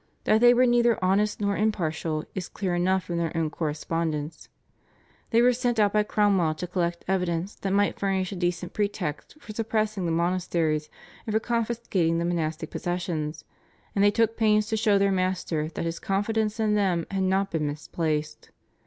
That they were neither honest nor impartial is clear enough from their own correspondence. They were sent out by Cromwell to collect evidence that might furnish a decent pretext for suppressing the monasteries and for confiscating the monastic possessions, and they took pains to show their master that his confidence in them had not been misplaced.